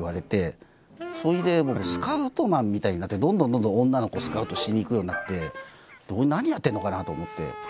それでスカウトマンみたいになってどんどん女の子をスカウトしに行くようになって俺何やってんのかなと思って。